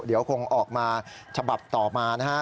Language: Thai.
เดี๋ยวคงออกมาฉบับต่อมานะฮะ